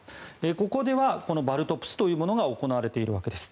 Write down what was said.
ここではこのバルトプスというものが行われているわけです。